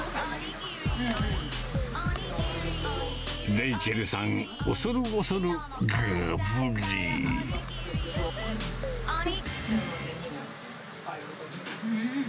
レイチェルさん、恐る恐るがぶり。